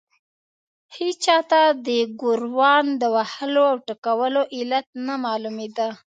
هېچا ته د ګوروان د وهلو او ټکولو علت نه معلومېده.